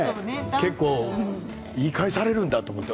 結構、言い返されるんだと思って。